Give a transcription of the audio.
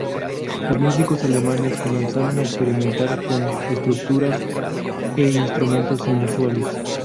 Los músicos alemanes comenzaron a experimentar con estructuras e instrumentos inusuales.